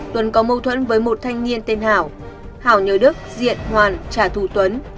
thanh niên tên hảo nhớ đức diện hoàn trả thù tuấn